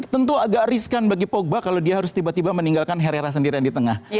tentu agak riskan bagi pogba kalau dia harus tiba tiba meninggalkan herrera sendirian di tengah